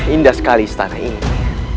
indah sekali istana ini